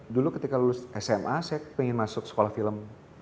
dulu ketika lulus sma saya ingin masuk sekolah film